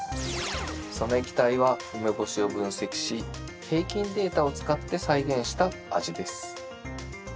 その液体は梅干しを分析し平均データを使って再現した味です。